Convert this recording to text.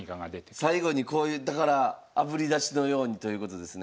最後にこういうだからあぶり出しのようにということですね。